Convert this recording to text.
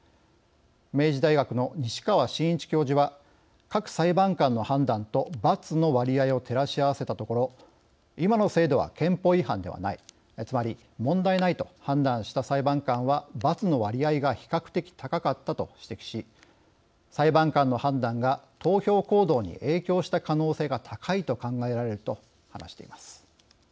明治大学の西川伸一教授は各裁判官の判断と「×」の割合を照らし合わせたところ今の制度は憲法違反ではないつまり、問題ないと判断した裁判官は「×」の割合が比較的高かったと指摘し「裁判官の判断が、投票行動に影響した可能性が高いと考えられる」と話しています。